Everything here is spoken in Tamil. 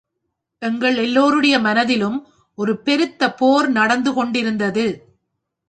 எங்கள் எல்லோருடைய மனத்திலும் ஒரு பெருத்த போர் நடந்து கொண்டிருந்தது.